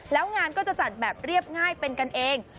แล้วงานก็จะจัดแบบเรียบง่ายเป็นกันเอง